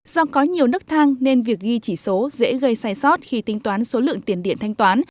do có nhiều nức thang nên việc ghi chỉ số dễ gây sai sót khi tính toán số lượng tiền điện thanh toán